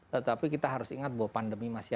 tetapi kita harus ingat bahwa pandemi masih